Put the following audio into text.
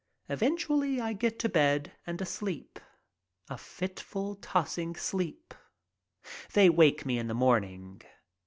Eventually I get to bed and asleep, a fitful, tossing sleep. They wake me in the morning.